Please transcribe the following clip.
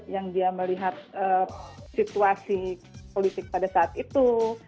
yang dia melihat situasi politik pada saat itu